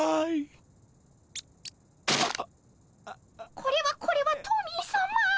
これはこれはトミーさま。